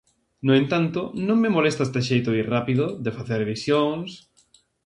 No entanto, non me molesta este xeito de ir rápido, de facer elisións...